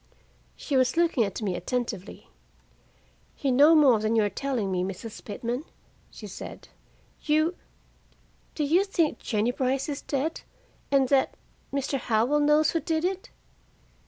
She was looking at me attentively. "You know more than you are telling me, Mrs. Pitman," she said. "You do you think Jennie Brice is dead, and that Mr. Howell knows who did it?"